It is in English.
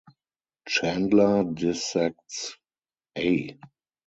Chandler dissects A.